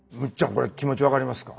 これ気持ち分かりますか？